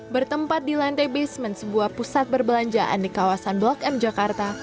bertempat di lantai basement sebuah pusat perbelanjaan di kawasan blok m jakarta